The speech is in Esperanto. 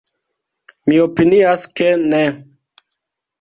Mi opinias ke ne.